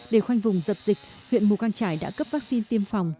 để khoanh vùng dập dịch huyện mù căng trải đã cấp vaccine tiêm phòng